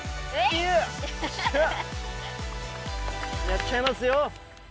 やっちゃいますよ！